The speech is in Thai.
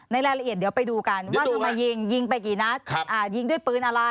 ในล่ายละเอียดเดี๋ยวไปดูกันถ้ามายิงยิงคือไปกี่นัด